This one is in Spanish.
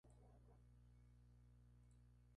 El loteo mismo fue un ejemplo en su tipo.